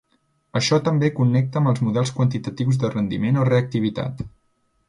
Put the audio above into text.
Això també connecta amb els models quantitatius de rendiment o reactivitat.